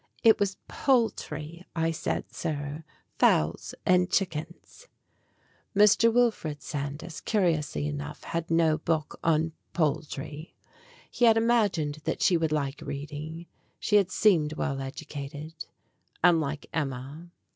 "It was poultry I said, sir fowls and chickens." Mr. Wilfred Sandys, curiously enough, had no book on poultry. He had imagined that she would like reading : she had seemed well educated, unlike Emma.